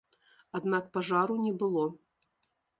Аднак пажару не было.